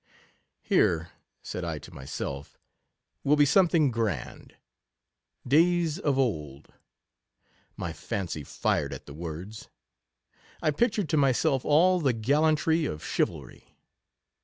Here, said I to myself, will be something ^grand — Days of old — my fancy fired at the words. I pictured to myself all the gallantry of chivalry.